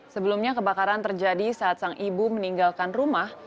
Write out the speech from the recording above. sebelumnya kebakaran terjadi saat sang ibu meninggalkan rumah